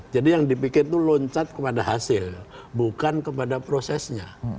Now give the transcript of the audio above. jadi yang dipikir itu loncat kepada hasil bukan kepada prosesnya